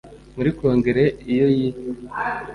muri kongere iyo yitwa